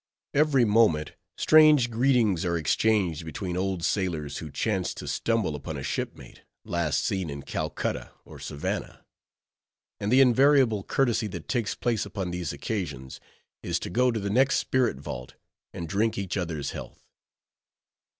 Every moment strange greetings are exchanged between old sailors who chance to stumble upon a shipmate, last seen in Calcutta or Savannah; and the invariable courtesy that takes place upon these occasions, is to go to the next spirit vault, and drink each other's health.